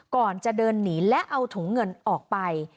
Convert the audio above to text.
ก่อนจะเดินหนีและเอาถุงเงินออกไป